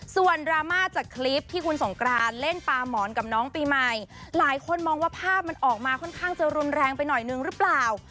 ส่วนดราม่าจากคลิปที่คุณสงกรานเล่นปลาหมอนกับน้องปีใหม่หลายคนมองว่าภาพมันออกมาค่อนข้างจะรุนแรงไปหน่อยนึงหรือเปล่า